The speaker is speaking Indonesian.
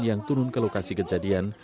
yang turun ke lokasi kejadian